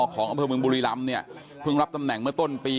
ของอำเภอเมืองบุรีรำเนี่ยเพิ่งรับตำแหน่งเมื่อต้นปี